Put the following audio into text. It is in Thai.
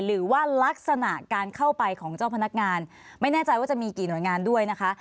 หรือว่าลักษณะการเข้าไปของเจ้าพนักงานไม่แน่ใจว่าจะมีกี่หน่วยงานด้วยนะคะ